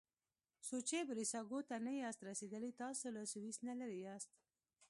څو چې بریساګو ته نه یاست رسیدلي تاسي له سویس نه لرې یاست.